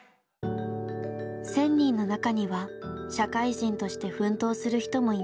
１，０００人の中には社会人として奮闘する人もいました。